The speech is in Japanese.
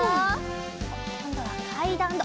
おっこんどはかいだんだ！